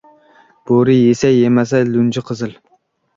• Bo‘ri yesa-emasa lunji qizil.